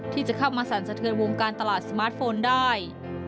ที่จะเข้ามาสั่นสะเทือนวงการตลาดสมาร์ทโฟนได้